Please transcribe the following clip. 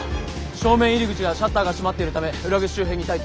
正面入り口はシャッターが閉まっているため裏口周辺に待機。